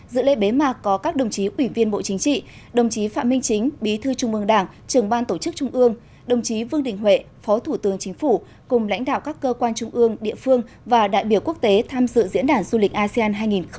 dự lễ bế mạc có các đồng chí ủy viên bộ chính trị đồng chí phạm minh chính bí thư trung ương đảng trường ban tổ chức trung ương đồng chí vương đình huệ phó thủ tướng chính phủ cùng lãnh đạo các cơ quan trung ương địa phương và đại biểu quốc tế tham dự diễn đàn du lịch asean hai nghìn hai mươi